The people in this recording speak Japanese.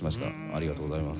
ありがとうございます。